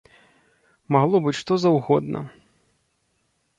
Магло быць што заўгодна.